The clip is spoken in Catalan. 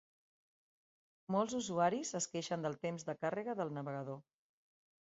Molts usuaris es queixen del temps de càrrega del navegador.